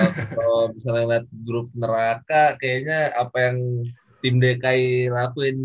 kalo misalnya liat grup neraka kayaknya apa yang tim dki lakuin sekarang tuh lebih neraka gitu kan